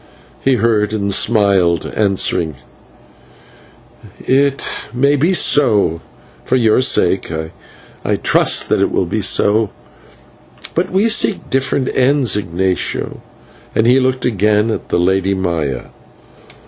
He heard and smiled, answering: "It may be so; for your sake, I trust that it will be so; but we seek different ends, Ignatio," and he looked again at the Lady Maya.